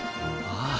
ああ。